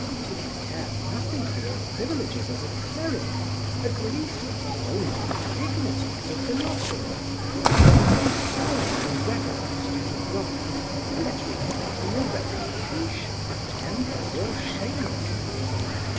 If you care nothing for your privileges as a cleric, at least uphold your dignity as a philosopher. If you scorn the reverence due to God, let regard for your reputation temper your shamelessness.